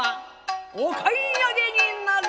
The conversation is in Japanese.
お買い上げになるわ」。